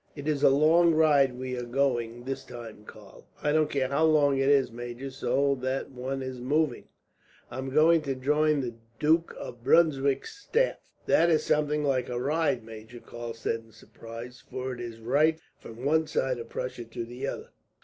"It is a long ride we are going this time, Karl." "I don't care how how long it is, major, so that one is moving." "I am going to join the Duke of Brunswick's staff." "That is something like a ride, major," Karl said in surprise, "for it is right from one side of Prussia to the other."